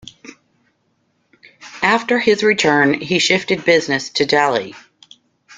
After his return he shifted business to Delhi.